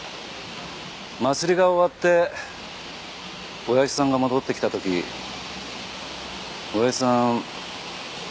祭りが終わって親父さんが戻ってきた時親父さん。